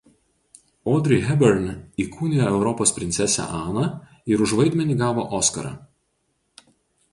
Audrey Hepburn įkūnijo Europos princesę Aną ir už vaidmenį gavo Oskarą.